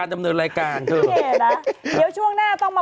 คุณแม่ไม่เหงาหรอ